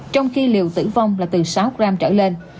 trong khi liều tử vong là từ sáu gram trở lên